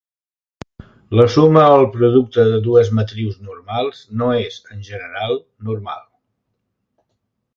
La suma o el producte de dues matrius normals no és, en general, normal.